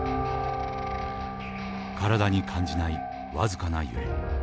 体に感じない僅かな揺れ。